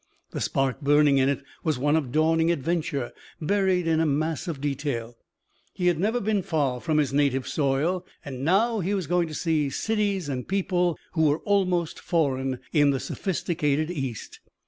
The spark burning in it was one of dawning adventure buried in a mass of detail. He had never been far from his native soil. Now he was going to see cities and people who were almost foreign, in the sophisticated East.